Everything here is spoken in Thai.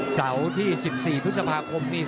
เสาที่๑๔ทุศพาคมนี่